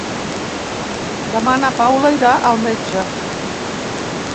Demà na Paula irà al metge.